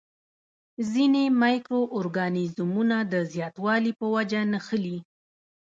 ځینې مایکرو ارګانیزمونه د زیاتوالي په وجه نښلي.